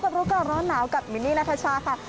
สวัสดีค่ะพบกันรู้กับร้อนหนาวกับมินนี่ณฐาชาครับ